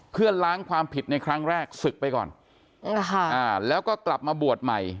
เพื่อล้างความผิดในครั้งแรกศึกไปก่อนแล้วก็กลับมาบวชใหม่